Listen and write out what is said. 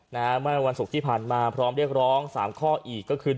เมื่อวันศุกร์ที่ผ่านมาพร้อมเรียกร้องสามข้ออีกก็คือ